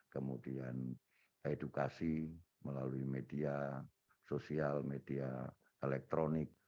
kemudian edukasi melalui media sosial media elektronik